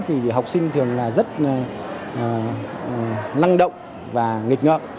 vì học sinh thường là rất năng động và nghịch ngợp